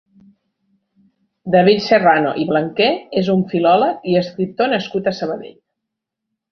David Serrano i Blanquer és un filòleg i escriptor nascut a Sabadell.